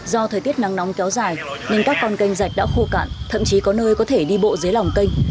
do thời tiết nắng nóng kéo dài nên các con canh rạch đã khô cạn thậm chí có nơi có thể đi bộ dưới lòng canh